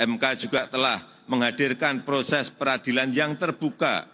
mk juga telah menghadirkan proses peradilan yang terbuka